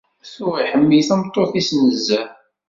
Tuɣ iḥemmel tameṭṭut-is nezzeh.